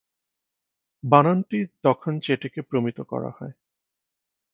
বানানটি তখন চেটেকে প্রমিত করা হয়।